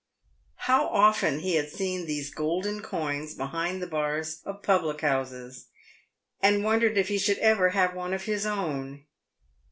How often he had seen these golden coins behind the bars of public houses, and wondered if he should ever have one of his own.